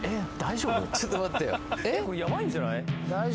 ちょっと待ってよえっ？